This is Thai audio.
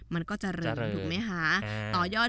มันก็เจริญถูกไหมค่ะ